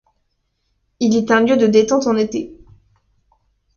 Il est un lieu de détente en été.